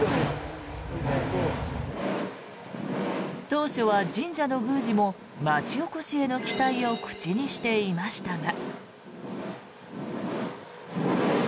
当初は神社の宮司も町おこしへの期待を口にしていましたが。